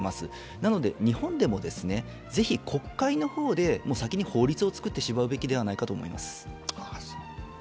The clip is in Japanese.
なので日本でも、ぜひ国会の方で先に法律を作ってしまうべきではないかと思います。